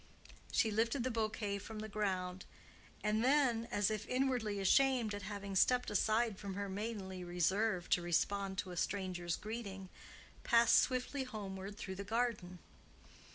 She lifted the bouquet from the ground, and then, as if inwardly ashamed at having stepped aside from her maidenly reserve to respond to a stranger's greeting, passed swiftly homeward through the garden.